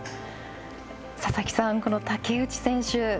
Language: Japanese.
佐々木さん、この竹内選手